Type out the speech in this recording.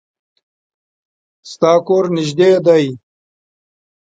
د تا کور نږدې ده